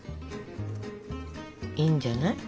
いいんじゃない？